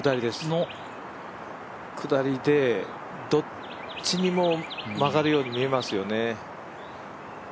下りでどっちにも曲がるように見えますよね。